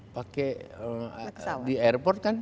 pakai di airport kan